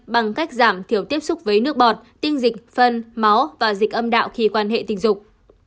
bằng cách giảm thiểu tiếp xúc với nước bọt tinh dịch phân máu và dịch âm đạo khi quan hệ tình dục